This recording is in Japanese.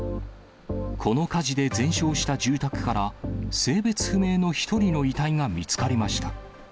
この火事で全焼した住宅から、性別不明の１人の遺体が見つかりました。